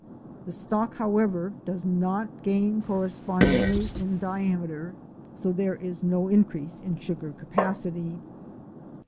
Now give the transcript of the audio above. The stalk, however, 'does 'not gain correspondingly in diameter; so there is no increase in sugar capacity.